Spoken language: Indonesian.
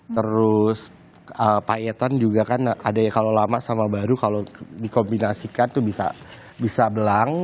terus payetan juga kan ada kalau lama sama baru kalau dikombinasikan itu bisa belang